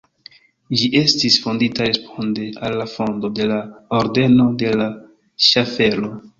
Ĝi estis fondita responde al la fondo de la ordeno de la ŝaffelo.